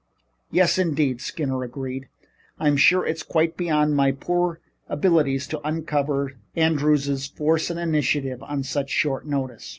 "Yes, indeed," Skinner agreed. "I'm sure it's quite beyond my poor abilities to uncover Andrews' force and initiative on such notice.